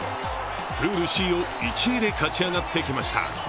プールＣを１位で勝ち上がってきました。